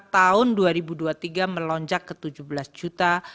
tahun dua ribu dua puluh tiga melonjak ke tujuh belas juta